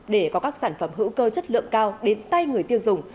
để có các sản phẩm hữu cơ chất lượng cao đến tay người tiêu dùng